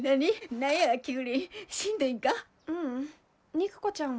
肉子ちゃんは。